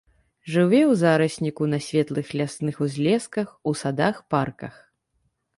Жыве ў зарасніку, на светлых лясных узлесках, у садах, парках.